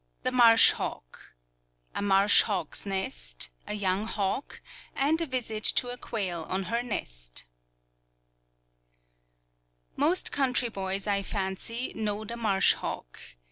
THE MARSH HAWK A MARSH HAWK'S NEST, A YOUNG HAWK, AND A VISIT TO A QUAIL ON HER NEST Most country boys, I fancy, know the marsh hawk.